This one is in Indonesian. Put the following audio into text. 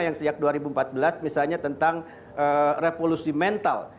yang sejak dua ribu empat belas misalnya tentang revolusi mental